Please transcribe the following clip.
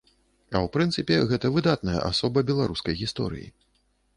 А ў прынцыпе, гэта выдатная асоба беларускай гісторыі.